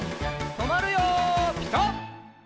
とまるよピタ！